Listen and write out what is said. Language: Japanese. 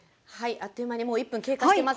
あっという間に１分経過しています。